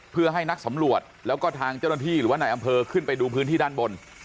เพื่อให้นักสำรวจแล้วก็ทางเจ้าหน้าที่หรือว่านายอำเภอขึ้นไปดูพื้นที่ด้านบน